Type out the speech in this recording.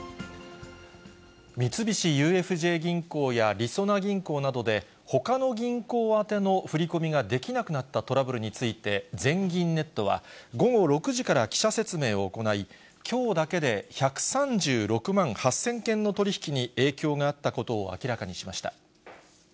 三菱ＵＦＪ銀行やりそな銀行などで、ほかの銀行宛ての振り込みができなくなったトラブルについて全銀ネットは午後６時から記者説明を行い、きょうだけで１３６万８０００件の取り引きに影響があったことを明らかにしました。